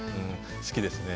好きですね。